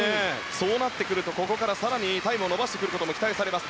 そうなってくるとここから更にタイムを伸ばしてくることも期待されます。